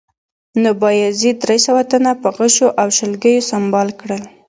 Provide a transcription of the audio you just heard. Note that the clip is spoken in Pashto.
نو بایزید درې سوه تنه په غشو او شلګیو سنبال کړل